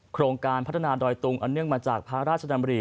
โครงการพัฒนาดอยตุงอันเนื่องมาจากพระราชดำริ